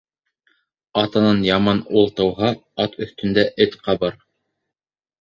Атанан яман ул тыуһа, ат өҫтөндә эт ҡабыр.